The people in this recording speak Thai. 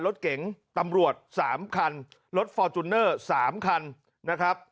รถเก๋งตำรวจ๓คันรถฟอร์จูเนอร์๓คันนะครับ